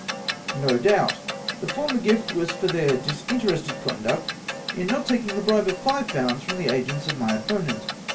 " No doubt. The former gift was for their dis interested conduct in not taking the bribe of five pounds from the agents of my opponent.